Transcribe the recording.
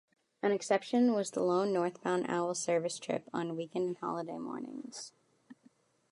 An exception was the lone northbound Owl service trip on weekend and holiday mornings.